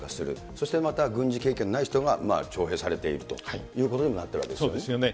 そしてまた軍事経験のない人が徴兵されているということになってそうですよね。